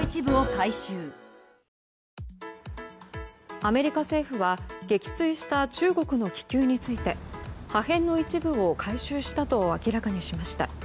アメリカ政府は撃墜した中国の気球について破片の一部を回収したと明らかにしました。